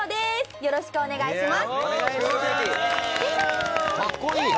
よろしくお願いします。